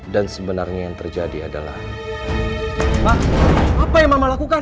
dan sebenarnya yang terjadi adalah apa yang melakukan